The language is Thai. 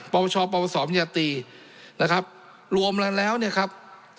ปราวัยชอปราวิทยาศาสตร์มัญญาตีนะครับรวมแล้วเนี่ยครับ